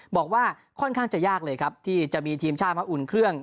บอกว่าค่อนข้างจะยากเลยครับที่จะมีทีมชาติมาอุ่นเครื่อง